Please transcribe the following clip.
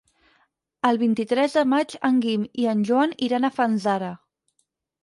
El vint-i-tres de maig en Guim i en Joan iran a Fanzara.